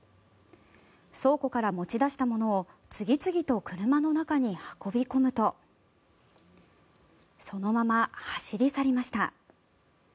倉庫から持ち出したものを次々と車の中に運び込むとそのまま走り去りました。